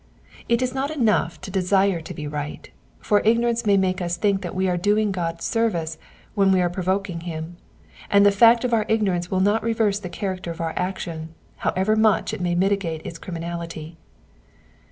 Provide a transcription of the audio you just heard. It is not enough to desire to be right ; for ignorance may make us think that we are doin^;: God service when we are provoking him, and the fact of our ignorance will not reverse the character of our action, however much it may mitigate its criminality.